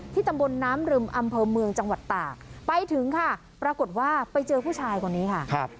ตำบลน้ำรึมอำเภอเมืองจังหวัดตากไปถึงค่ะปรากฏว่าไปเจอผู้ชายคนนี้ค่ะ